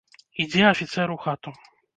Ідзе афіцэр ў хату.